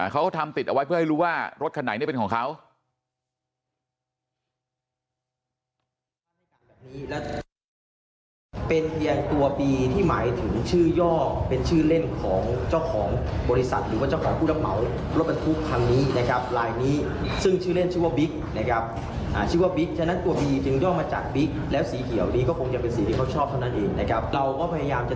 เขาทำติดเอาไว้เพื่อให้รู้ว่ารถคันไหนเป็นของเขา